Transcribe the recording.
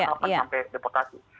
dari awal penangkapan sampai deportasi